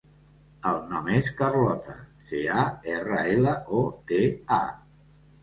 El nom és Carlota: ce, a, erra, ela, o, te, a.